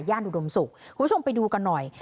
อุดมศุกร์คุณผู้ชมไปดูกันหน่อย